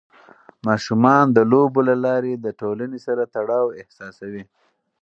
ماشومان د لوبو له لارې د ټولنې سره تړاو احساسوي.